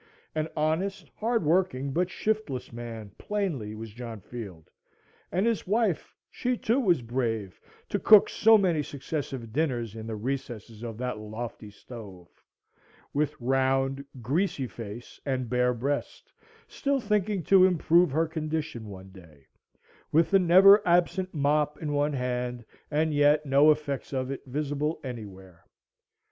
An honest, hard working, but shiftless man plainly was John Field; and his wife, she too was brave to cook so many successive dinners in the recesses of that lofty stove; with round greasy face and bare breast, still thinking to improve her condition one day; with the never absent mop in one hand, and yet no effects of it visible anywhere.